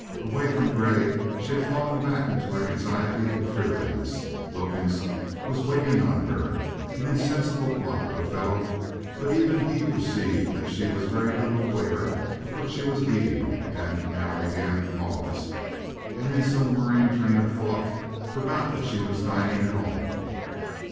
Away from Grey, she had fallen back into her anxiety and fearfulness. Wilkins was waiting on her, an insensible block of a fellow; but even he perceived that she was very little aware of what she was eating, and now and again paused, and in some worrying train of thought forgot that she was dining at all.